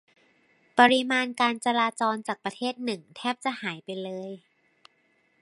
ปริมาณการจราจรจากประเทศหนึ่งแทบจะหายไปเลย